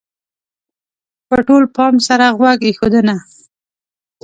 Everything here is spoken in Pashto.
-په ټول پام سره غوږ ایښودنه: